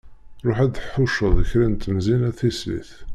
Ruḥ ad d-tḥuceḍ kra n temẓin a tislit.